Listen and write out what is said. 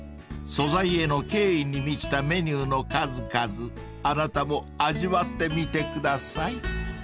［素材への敬意に満ちたメニューの数々あなたも味わってみてください］